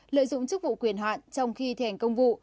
lợi dụng chức vụ quyền hạn trong khi thẻn công vụ